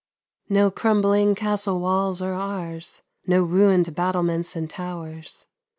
No crumbling castle walls are ours, No ruined battlements and towers.